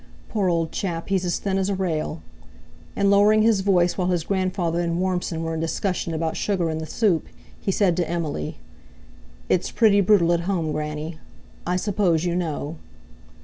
"Poor old chap, he's as thin as a rail!" And lowering his voice while his grandfather and Warmson were in discussion about sugar in the soup, he said to Emily: "It's pretty brutal at home, Granny. I suppose you know."